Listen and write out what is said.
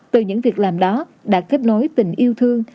từ những việc làm đó đã kết nối tình yêu thương